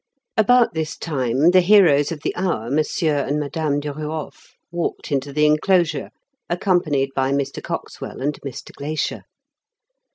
About this time the heroes of the hour, Monsieur and Madame Duruof walked into the enclosure, accompanied by Mr. Coxwell and Mr. Glaisher.